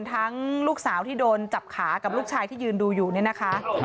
ลูกสาวที่โดนจับขากับลูกชายที่ยืนดูอยู่เนี่ยนะคะ